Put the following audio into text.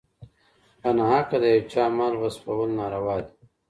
په ناحقه د یو چا مال غصبول ناروا دي.